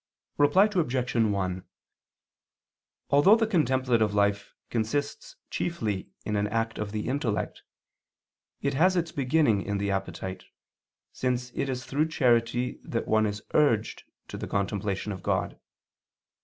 Reply Obj. 1: Although the contemplative life consists chiefly in an act of the intellect, it has its beginning in the appetite, since it is through charity that one is urged to the contemplation of God.